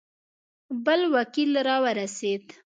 بل وکیل را ورسېد.